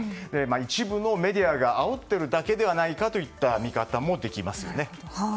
一部のメディアがあおっているだけではないかといった見方もできますよね。